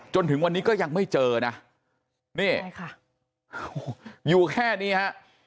จนถึงวันนี้ก็ยังไม่เจอนะนี่ใช่ค่ะอยู่แค่นี้ฮะ